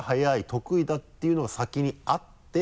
得意だっていうのが先にあって。